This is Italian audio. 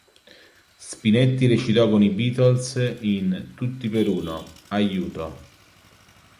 Spinetti recitò con i Beatles in "Tutti per uno", "Aiuto!